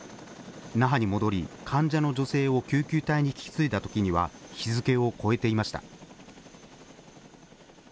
那覇に戻り、患者の女性を救急隊に引き継いだときには、日付を越えていました。